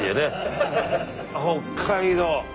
北海道！